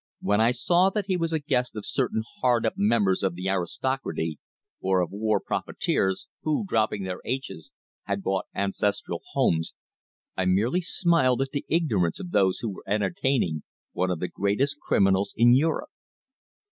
When I saw that he was the guest of certain hard up members of the aristocracy, or of war profiteers, who, dropping their aitches, had bought ancestral homes, I merely smiled at the ignorance of those who were entertaining one of the greatest criminals in Europe.